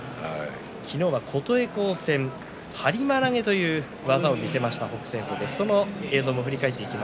昨日は琴恵光戦はりま投げという技を見せました北青鵬です。